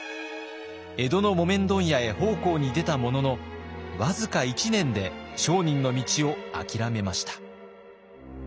江戸の木綿問屋へ奉公に出たものの僅か１年で商人の道を諦めました。